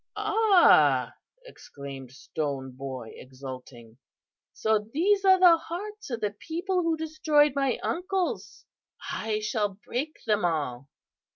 "'Ah,' exclaimed Stone Boy, exulting,' so these are the hearts of the people who destroyed my uncles! I shall break them all!